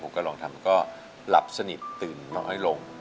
ผมก็ลองทำก็หลับสนิทตื่นมาให้ลง